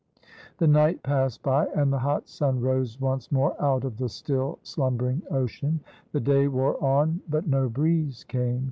The night passed by, and the hot sun rose once more out of the still slumbering ocean. The day wore on, but no breeze came.